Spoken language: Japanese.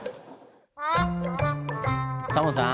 タモさん